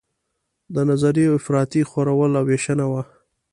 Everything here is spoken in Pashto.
د نظریو افراطي خورول او ویشنه وه.